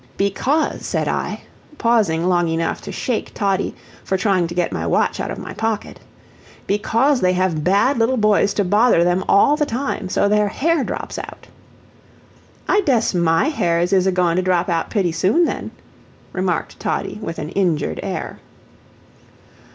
"Because," said I, pausing long enough to shake Toddie for trying to get my watch out of my pocket, "because they have bad little boys to bother them all the time, so their hair drops out." "I dess MY hairs is a goin' to drop out pitty soon, then," remarked Toddie, with an injured air.